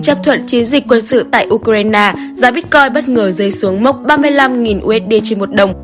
chấp thuận chiến dịch quân sự tại ukraine giá bitcoin bất ngờ rơi xuống mốc ba mươi năm usd trên một đồng